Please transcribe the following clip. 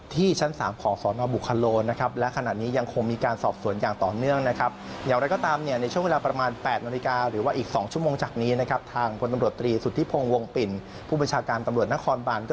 ที่ชั้น๓ของสนบุคลโลนะครับ